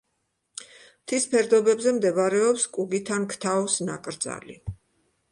მთის ფერდობებზე მდებარეობს კუგითანგთაუს ნაკრძალი.